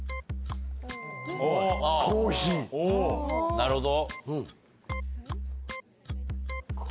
なるほど。